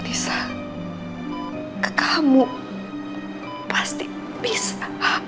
isah kamu pasti bisa